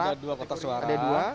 ada dua kotak suara